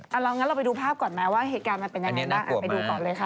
เอาเรางั้นเราไปดูภาพก่อนไหมว่าเหตุการณ์มันเป็นยังไงบ้างไปดูก่อนเลยค่ะ